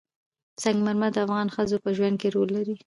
سنگ مرمر د افغان ښځو په ژوند کې رول لري.